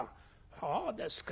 そうですか。